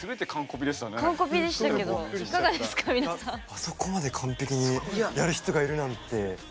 あそこまで完璧にやる人がいるなんて。